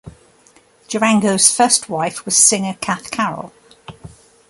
Durango's first wife was singer Cath Carroll.